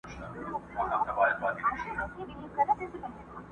يو وزير به يې مين وو پر رنگونو٫